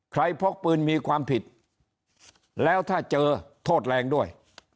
พกปืนมีความผิดแล้วถ้าเจอโทษแรงด้วย